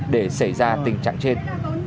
để xảy ra tình trạng trên